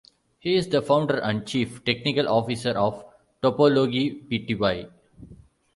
He is the founder and Chief Technical Officer of Topologi Pty.